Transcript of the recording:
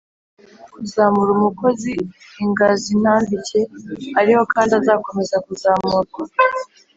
Kuzamura umukozi ingazintambike ariho kandi azakomeza kuzamurwa.